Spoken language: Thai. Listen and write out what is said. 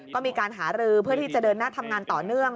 ก็มีการหารือเพื่อที่จะเดินหน้าทำงานต่อเนื่อง